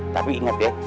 tapi inget ya